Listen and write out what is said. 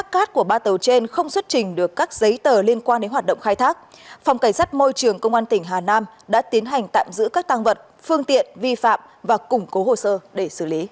các bạn hãy đăng ký kênh để ủng hộ kênh của chúng mình nhé